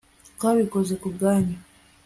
twabikoze kubwanyu